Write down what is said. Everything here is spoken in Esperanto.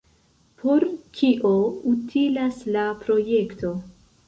Por kio utilas la projekto?